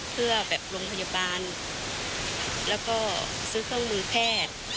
เพื่อแบบโรงพยาบาลแล้วก็ซื้อเครื่องมือแพทย์